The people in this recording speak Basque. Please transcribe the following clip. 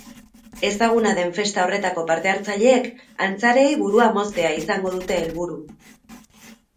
Ezaguna den festa horretako parte-hartzaileek antzarei burua moztea izango dute helburu.